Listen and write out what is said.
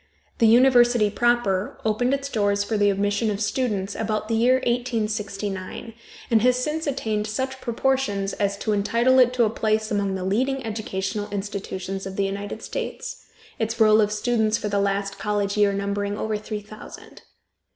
The university proper opened its doors for the admission of students about the year 1869, and has since attained such proportions as to entitle it to a place among the leading educational institutions of the United States, its roll of students for the last college year numbering over three thousand.